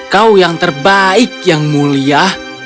kau yang terbaik yang mulia